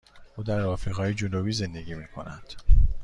او در آفریقای جنوبی زندگی می کند.